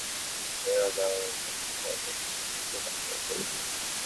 বেরানোর একটা পথ দেখে সেই সুযোগ হাতছাড়া করিনি।